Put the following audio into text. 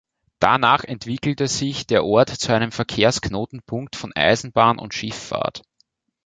Danach entwickelte sich der Ort zu einem Verkehrsknotenpunkt von Eisenbahn und Schifffahrt.